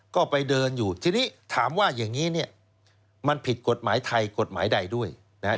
ก็ไปเดินอยู่ทีนี้ถามว่าอย่างนี้เนี่ยมันผิดกฎหมายไทยกฎหมายใดด้วยนะครับ